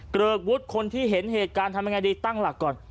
เกริกวุฒิคนที่เห็นเหตุการณ์ทำยังไงดีตั้งหลักก่อน